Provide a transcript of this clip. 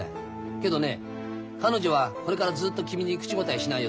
けどね彼女はこれからずっと君に口答えしないよ。